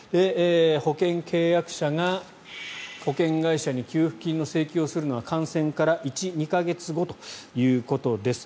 保険契約者が保険会社に給付金の請求をするのは感染から１２か月後ということです。